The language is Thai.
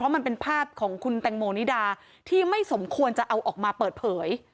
มันเป็นภาพของคุณแตงโมนิดาที่ไม่สมควรจะเอาออกมาเปิดเผย